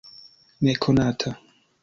nekonata